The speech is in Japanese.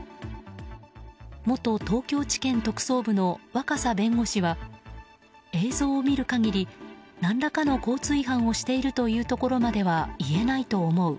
元東京地検特捜部の若狭弁護士は映像を見る限り何らかの交通違反をしているというところまでは言えないと思う。